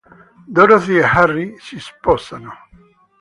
Dorothy e Harry si sposano.